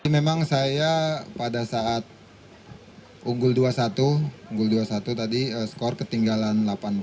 memang saya pada saat unggul dua puluh satu skor ketinggalan delapan empat